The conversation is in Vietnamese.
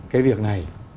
cái việc này